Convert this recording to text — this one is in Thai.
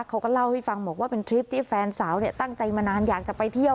เขาก็เล่าให้ฟังบอกว่าเป็นทริปที่แฟนสาวตั้งใจมานานอยากจะไปเที่ยว